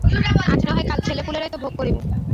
আজ না হয় কাল ছেলেপুলেরাই তো ভোগ করিবে।